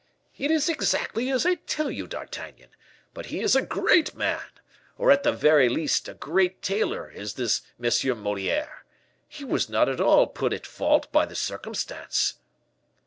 "It is exactly as I tell you, D'Artagnan; but he is a great man, or at the very least a great tailor, is this M. Moliere. He was not at all put at fault by the circumstance."